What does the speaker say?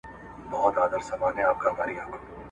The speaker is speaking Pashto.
ړوند افغان دی له لېوانو نه خلاصیږي !.